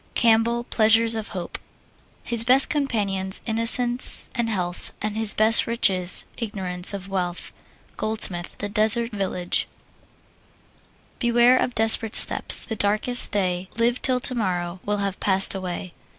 CAMPBELL, Pleasures of Hope. His best companions, innocence and health, And his best riches, ignorance of wealth. GOLDSMITH, The Deserted Village. Beware of desperate steps! The darkest day, Live till tomorrow, will have passed away.